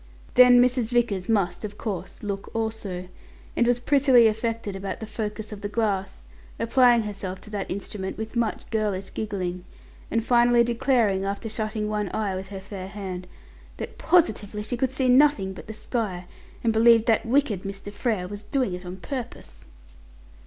Then Mrs. Vickers must, of course, look also, and was prettily affected about the focus of the glass, applying herself to that instrument with much girlish giggling, and finally declaring, after shutting one eye with her fair hand, that positively she "could see nothing but sky, and believed that wicked Mr. Frere was doing it on purpose."